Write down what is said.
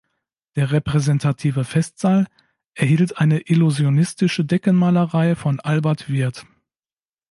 Der repräsentative Festsaal erhielt eine illusionistische Deckenmalerei von Albert Wirth.